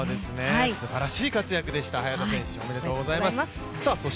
すばらしい活躍でした、早田選手おめでとうございます。